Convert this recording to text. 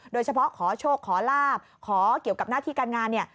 โดยเฉพาะขอโชคขอลาบขอเกี่ยวกับหน้าที่การงานเนี่ย